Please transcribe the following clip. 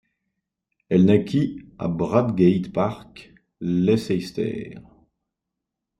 Elle naquit à Bradgate Park, Leicester.